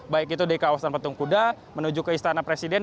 baik itu di kawasan patung kuda menuju ke istana presiden